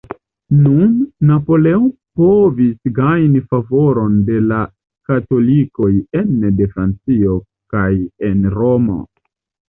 Nun, Napoleon povis gajni favoron de la katolikoj ene de Francio kaj en Romo.